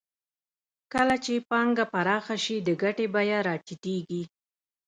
کله چې پانګه پراخه شي د ګټې بیه راټیټېږي